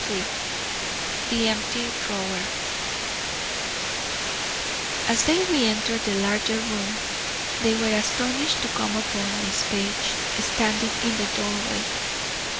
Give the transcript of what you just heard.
III THE EMPTY DRAWER As they re entered the larger room, they were astonished to come upon Miss Page standing in the doorway.